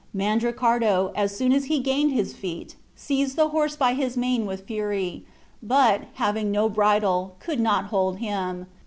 Mandricardo, as soon as he gained his feet, seized the horse by his mane with fury; but, having no bridle, could not hold him.